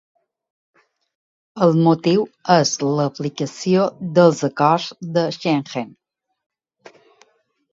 El motiu és l'aplicació dels acords de Schengen.